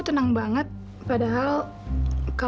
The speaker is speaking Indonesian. tunggu di dalam